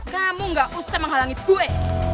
kamu gak usah menghalangi gue